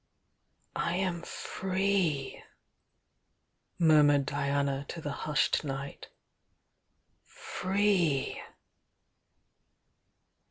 "I am free!" murmured Diana to the hushed night. "Free!"